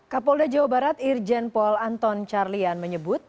kapolda jawa barat irjen paul anton carlian menyebut